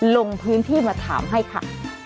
ลงพื้นที่มาถามให้ค่ะ